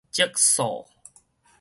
窒素